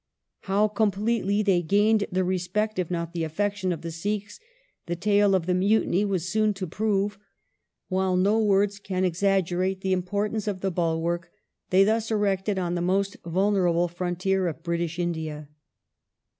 How com pletely they gained the respect, if not the affection, of the Sikhs, the tale of the Mutiny was soon to prove, while no words can ex aggerate the importance of the bulwark they thus erected on the most vulnerable frontier of British India.